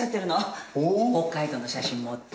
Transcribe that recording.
北海道の写真持って。